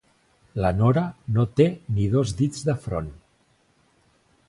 La Nora no té ni dos dits de front.